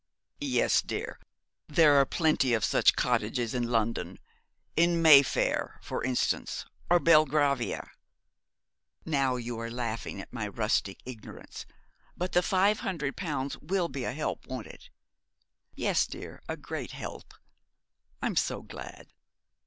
'Yes, dear, there are plenty of such cottages in London. In Mayfair, for instance, or Belgravia.' 'Now, you are laughing at my rustic ignorance. But the five hundred pounds will be a help, won't it?' 'Yes, dear, a great help.' 'I'm so glad.'